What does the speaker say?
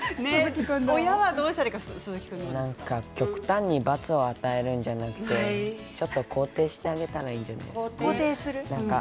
極端に罰を与えるのではなくてちょっと肯定してあげたらいいんじゃないですか。